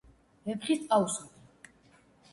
ვეფხისტყაოსანი